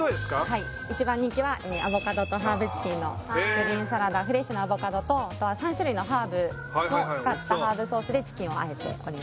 はい一番人気はアボカドとハーブチキンのグリーンサラダフレッシュなアボカドと３種類のハーブを使ったハーブソースでチキンをあえております